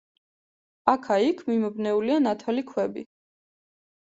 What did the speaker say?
აქა-იქ მიმობნეულია ნათალი ქვები.